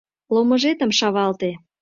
Ломыжетым шавалте».